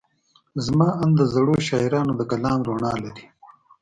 زما اند د زړو شاعرانو د کلام رڼا لري.